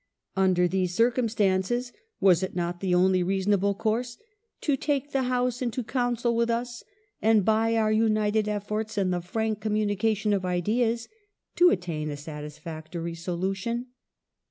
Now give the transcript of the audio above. Under these circumstances was it not the only reasonable course " to take the House into council with us and, by our united effi^rts and the frank communication of ideas, to attain a satisfactory solution